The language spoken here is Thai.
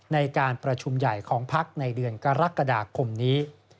ในการประชุมใหญ่ของพักในเดือนกรกฎาคมนี้